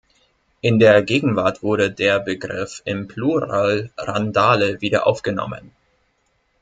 In der Gegenwart wurde der Begriff im Plural "Randale" wieder aufgenommen.